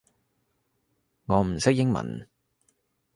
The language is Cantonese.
我唔識英文